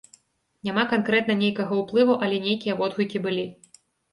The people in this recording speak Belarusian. Няма канкрэтна нейкага ўплыву, але нейкія водгукі былі.